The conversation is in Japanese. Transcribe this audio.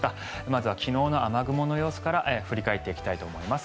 まずは昨日の雨雲の様子から振り返っていきます。